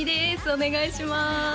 お願いします